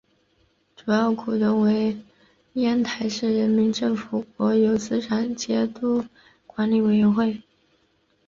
主要股东为烟台市人民政府国有资产监督管理委员会。